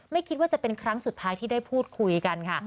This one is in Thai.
ไม่คิดว่าจะเป็นครั้งสุดท้ายที่ได้พูดคุยกันค่ะ